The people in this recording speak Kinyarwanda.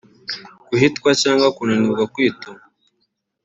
Guhitwa cyangwa kunanirwa kwituma